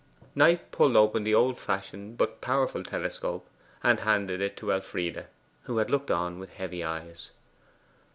Knight pulled open the old fashioned but powerful telescope, and handed it to Elfride, who had looked on with heavy eyes.